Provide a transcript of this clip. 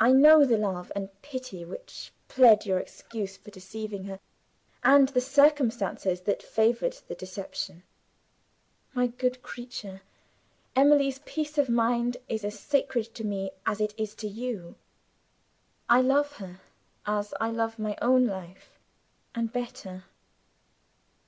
I know the love and pity which plead your excuse for deceiving her, and the circumstances that favored the deception. My good creature, Emily's peace of mind is as sacred to me as it is to you! I love her as I love my own life and better.